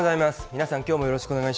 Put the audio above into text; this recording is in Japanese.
皆さん、きょうもよろしくお願い